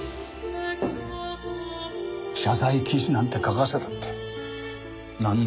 謝罪記事なんて書かせたって何の意味もない。